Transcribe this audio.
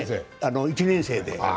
１年生で。